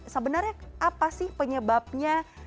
sebenarnya apa sih penyebabnya